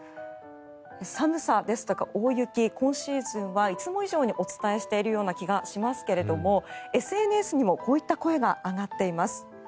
寒さですとか大雪今シーズンはいつも以上にお伝えしているような気がしますがＳＮＳにもこういった声が上がっています。